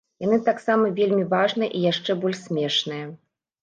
Яны таксам вельмі важныя, і яшчэ больш смешныя.